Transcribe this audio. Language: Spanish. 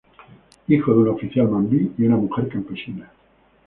Hijo de un oficial mambí y una mujer campesina.